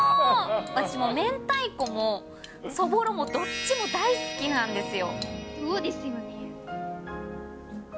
私もう、明太子も、そぼろもどっちも大好きなんですよ。